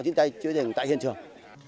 chúng ta chữa cháy rừng tại hiện trường